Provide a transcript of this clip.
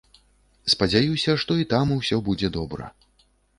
Спадзяюся, што і там усё будзе добра.